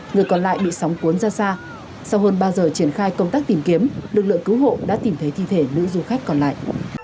người còn lại bị sóng cuốn ra xa sau hơn ba giờ triển khai công tác tìm kiếm lực lượng cứu hộ đã tìm thấy thi thể nữ du khách còn lại